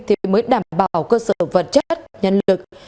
thì mới đảm bảo cơ sở vật chất nhân lực